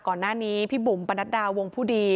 ก่อนหน้านี้พี่บุ๋มปนัดดาวงผู้ดี